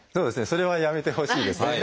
それはやめてほしいですね。